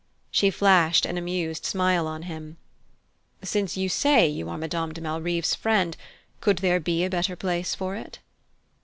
She flashed an amused smile on him. "Since you say you are Madame de Malrive's friend, could there be a better place for it?"